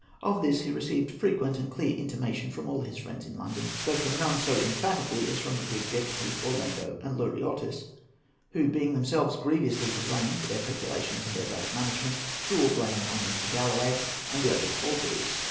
Of this he received frequent and clear intimation from all his friends in London, though from none so emphatically as from the Greek deputies, Orlando and Luriottis, who, being themselves grievously to blame for their peculations and their bad management, threw all the blame upon Mr. Galloway and the other defaulters.